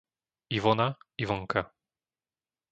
Ivona, Ivonka